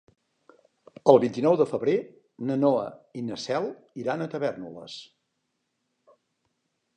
El vint-i-nou de febrer na Noa i na Cel iran a Tavèrnoles.